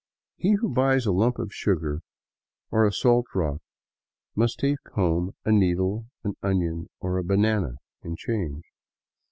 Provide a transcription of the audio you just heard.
He who buys a lump of sugar or a salt rock must take home a needle, an onion, or a banana in change.